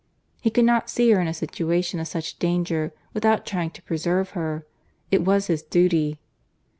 He could not see her in a situation of such danger, without trying to preserve her. It was his duty.